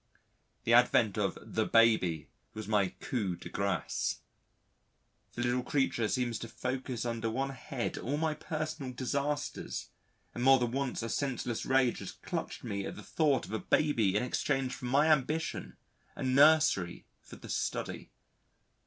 ... The advent of the Baby was my coup de grâce. The little creature seems to focus under one head all my personal disasters and more than once a senseless rage has clutched me at the thought of a baby in exchange for my ambition, a nursery for the study.